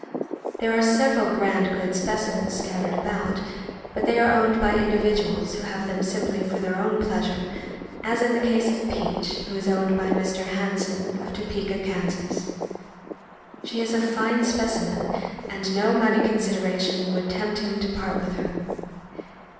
There are several grand good specimens scattered about, but they are owned by individuals who have them simply for their own pleasure, as in the case of Peach, who is owned by Mr. Hanson, of Topeka, Kan. She is a fine specimen, and no money consideration would tempt him to part with her.